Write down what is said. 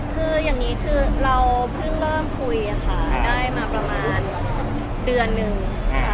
คืออย่างนี้คือเราเพิ่งเริ่มคุยค่ะได้มาประมาณเดือนนึงค่ะ